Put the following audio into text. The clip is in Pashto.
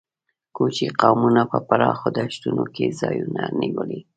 کوچي قومونو په پراخو دښتونو کې ځایونه نیولي.